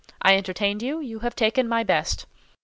I entertained you; you have taken my best.